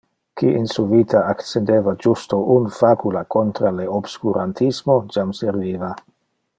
Qui in su vita accendeva justo un facula contra le obscurantismo, jam serviva.